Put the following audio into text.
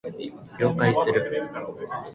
了解する